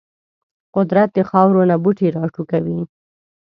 قدرت د خاورو نه بوټي راټوکوي.